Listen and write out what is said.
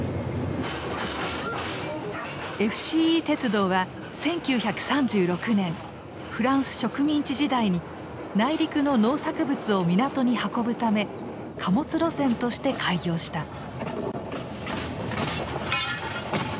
ＦＣＥ鉄道は１９３６年フランス植民地時代に内陸の農作物を港に運ぶため貨物路線として開業した。